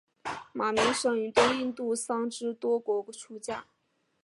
马鸣生于东印度的桑岐多国出家。